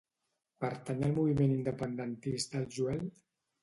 Pertany al moviment independentista el Joel?